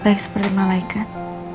baik seperti malaikat